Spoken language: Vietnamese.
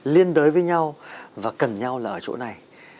liên đối với nhau và cần nhau là ở chỗ này